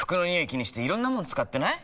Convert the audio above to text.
気にしていろんなもの使ってない？